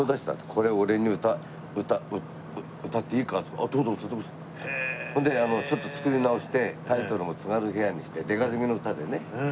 「これ俺に歌っていいか？」って言うから「あっどうぞどうぞ」。でちょっと作り直してタイトルも『津軽平野』にして出稼ぎの歌でね。